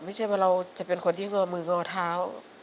ไม่ใช่ว่าเราจะเป็นคนที่งอมืองอเท้า